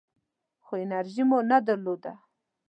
خو انرژي مو نه درلوده .